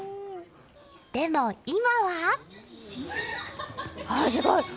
でも、今は。